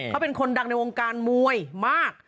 เขาเป็นคนดังในวงการมวยมาก